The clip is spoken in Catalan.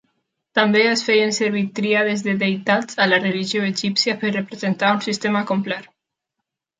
També es feien servir tríades de deïtats a la religió egípcia per representar un sistema complet.